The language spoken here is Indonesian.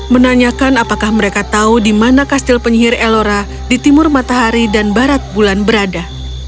menanyakan apakah mereka tahu di mana kastil penyihir ellora di timur matahari dan barat bulan berada